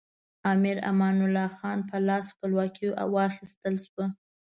امیر امان الله خان په لاس خپلواکي واخیستل شوه.